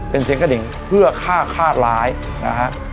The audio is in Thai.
เป็นเสียงกระดิ่งเพื่อฆ่าคาดร้ายนะฮะ